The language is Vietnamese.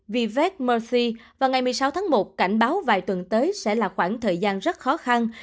vive mercy vào ngày một mươi sáu tháng một cảnh báo vài tuần tới sẽ là khoảng thời gian rất khó khăn